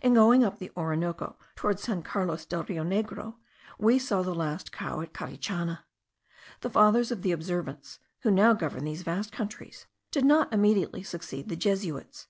In going up the Orinoco, toward San Carlos del Rio Negro, we saw the last cow at Carichana. The Fathers of the Observance, who now govern these vast countries, did not immediately succeed the Jesuits.